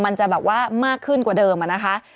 มันจะแบบว่ามากขึ้นกว่าเดิมอะนะคะ